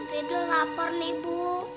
tidur lapar nih bu